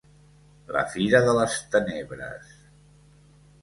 "La fira de les tenebres"